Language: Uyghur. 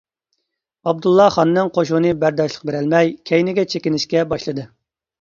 ئابدۇللا خاننىڭ قوشۇنى بەرداشلىق بېرەلمەي كەينىگە چېكىنىشكە باشلىدى.